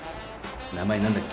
名前なんだっけ？